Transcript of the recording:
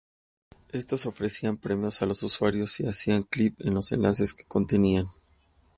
Estos ofrecían premios a los usuarios si hacían clic en los enlaces que contenían.